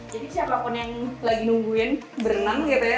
jadi siapapun yang lagi nungguin berenang gitu ya